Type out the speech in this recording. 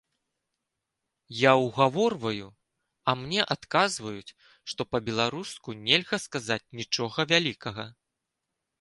Я ўгаворваю, а мне адказваюць, што па-беларуску нельга сказаць нічога вялікага!